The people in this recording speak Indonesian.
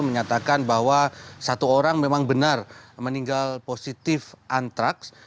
menyatakan bahwa satu orang memang benar meninggal positif antraks